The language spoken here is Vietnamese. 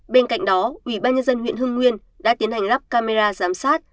bên cạnh đó ủy ban nhân dân huyện hưng nguyên đã tiến hành lắp camera giám sát